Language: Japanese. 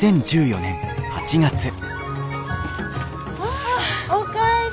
ああおかえり。